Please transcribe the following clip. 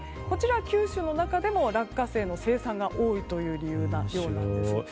こちら、九州の中でも落花生の生産が多いという理由なようです。